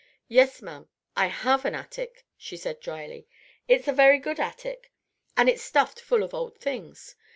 "Yes, ma'am, I have an attic," she said dryly. "It's a very good attic, and it's stuffed full of old things.